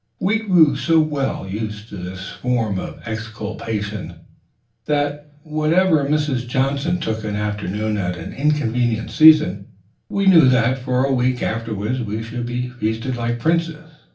We grew so well used to this form of exculpation, that, whenever Mrs. Johnson took an afternoon at an inconvenient season, we knew that for a week afterwards we should be feasted like princes.